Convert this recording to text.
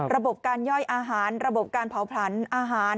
ระบบการย่อยอาหารระบบการเผาผลันอาหาร